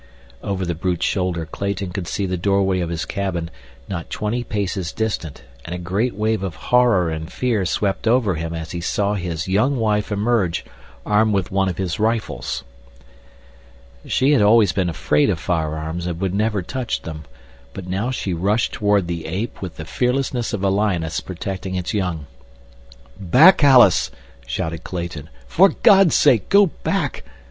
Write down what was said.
Over the brute's shoulder Clayton could see the doorway of his cabin, not twenty paces distant, and a great wave of horror and fear swept over him as he saw his young wife emerge, armed with one of his rifles. She had always been afraid of firearms, and would never touch them, but now she rushed toward the ape with the fearlessness of a lioness protecting its young. "Back, Alice," shouted Clayton, "for God's sake, go back."